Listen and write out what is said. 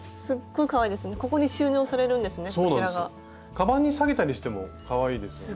かばんにさげたりしてもかわいいですよね。